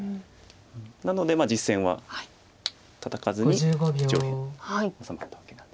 なので実戦はタタかずに上辺治まったわけなんです。